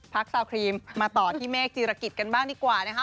สาวครีมมาต่อที่เมฆจีรกิจกันบ้างดีกว่านะคะ